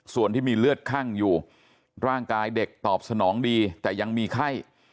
ส่วนที่มีเลือดคั่งอยู่ร่างกายเด็กตอบสนองดีแต่ยังมีไข้